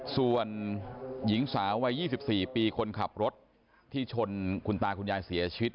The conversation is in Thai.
ส่วนหญิงสาววัย๒๔ปีคนขับรถที่ชนคุณตาคุณยายเสียชีวิต